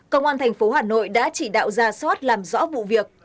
công an thành phố hà nội đã chỉ đạo ra soát làm rõ vụ việc